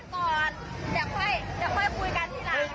รถทำมายังไงเอามันยังไง